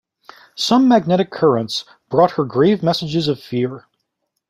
Some magnetic current brought her grave messages of fear.